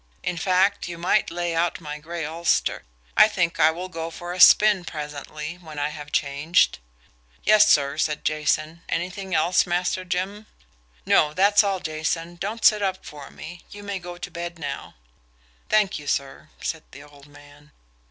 In fact, you might lay out my gray ulster; I think I will go for a spin presently, when I have changed." "Yes, sir," said Jason. "Anything else, Master Jim?" "No; that's all, Jason. Don't sit up for me you may go to bed now." "Thank you, sir," said the old man.